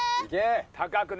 高くね。